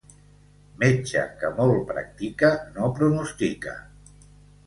Metge que molt practica no pronostica.